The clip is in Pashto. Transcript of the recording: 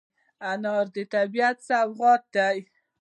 انار د طبیعت سوغات دی.